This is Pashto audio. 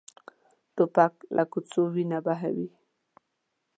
توپک له کوڅو وینه بهوي.